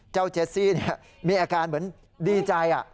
เจ้าเจสซี่เนี่ยมีอาการเหมือนดีใจ